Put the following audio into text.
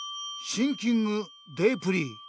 シンキングデープリー。